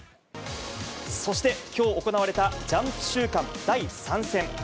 そして、きょう行われたジャンプ週間第３戦。